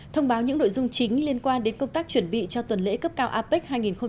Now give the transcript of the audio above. thông báo những nội dung chính liên quan đến công tác chuẩn bị cho tuần lễ cấp cao apec hai nghìn hai mươi